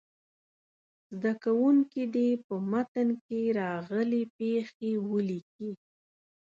زده کوونکي دې په متن کې راغلې پيښې ولیکي.